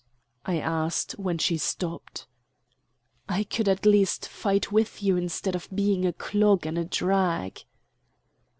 I asked when she stopped. "I could at least fight with you instead of being a clog and a drag."